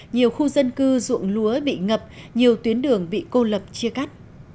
nhiều khu dân cư ruộng lúa bị ngập nhiều tuyến đường bị cô lập chia cắt